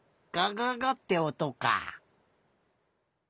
がががっておとか。